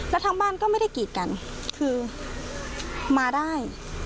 แล้วทางบ้านก็ไม่ได้กีดกันคือมาได้